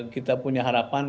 kita punya harapan